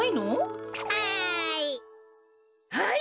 はい！